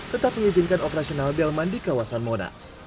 tetap mengizinkan operasional delman di kawasan monas